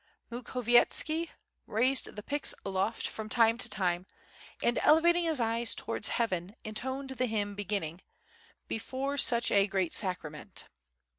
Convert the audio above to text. Mukhovietski raised the pix aloft from time to time and elevating his eyes towards heaven in toned the hymn beginning "Before such a great Sacrament."